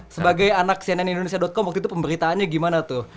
sebagai anak cnn indonesia com waktu itu pemberitaannya gimana tuh